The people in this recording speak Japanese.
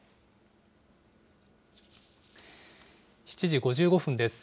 ７時５５分です。